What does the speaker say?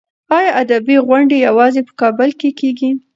ایا ادبي غونډې یوازې په کابل کې کېږي؟